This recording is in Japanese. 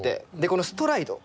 この「ストライド」。